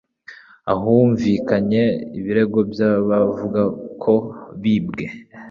ahumvikanye ibirego by'abavuga ko bibwe